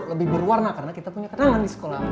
lebih berwarna karena kita punya kenangan di sekolah